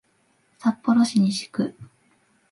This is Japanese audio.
札幌市西区